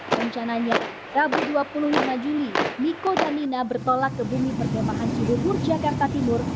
rencananya rabu dua puluh lima juli niko dan nina bertolak ke bumi perkemahan cibubur jakarta timur